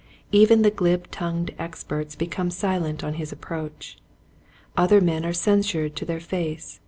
Even the glib tongued experts become silent on his approach. Other men are censured to their face.